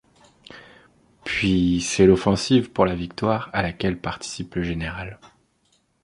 Puis, c'est l'offensive pour la victoire à laquelle participe le général.